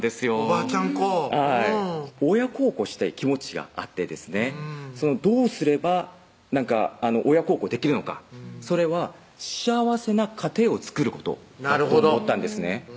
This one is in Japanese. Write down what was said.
子親孝行したい気持ちがあってですねどうすれば親孝行できるのかそれは幸せな家庭を作ることだと思ったんですね